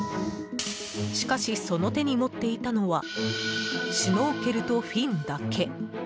しかし、その手に持っていたのはシュノーケルとフィンだけ。